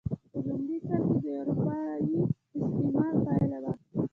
په لومړي سر کې د اروپايي استعمار پایله وه.